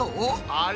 あれ？